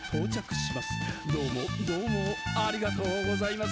「どうもどうもありがとうございます」